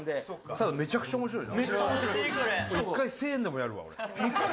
ただ、めちゃくちゃ面白いな。